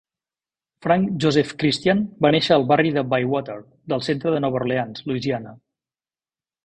Frank Joseph Christian va néixer al barri de Bywater del centre de Nova Orleans, Louisiana.